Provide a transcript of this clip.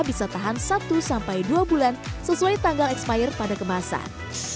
bisa tahan satu sampai dua bulan sesuai tanggal expire pada kemasan